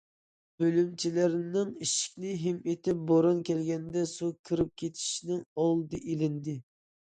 بۆلۈمچىلەرنىڭ ئىشىكىنى ھىم ئېتىپ، بوران كەلگەندە سۇ كىرىپ كېتىشنىڭ ئالدى ئېلىندى.